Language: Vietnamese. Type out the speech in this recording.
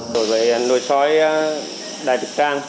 đối với nội soi đại trực trang